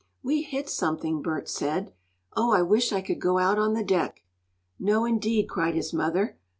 "We hit something," Bert said. "Oh, I wish I could go out on the deck!" "No, indeed!" cried his mother.